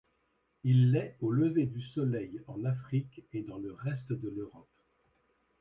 Il l'est au lever du soleil en Afrique et dans le reste de l'Europe.